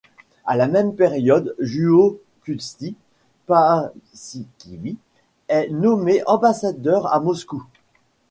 À la même période Juho Kusti Paasikivi est nommé ambassadeur à Moscou.